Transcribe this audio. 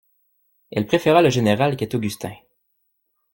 Elle préféra le général qu'est Augustin.